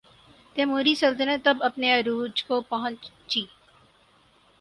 تیموری سلطنت تب اپنے عروج کو پہنچی۔